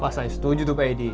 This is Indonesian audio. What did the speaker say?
pak saya setuju tuh pak edi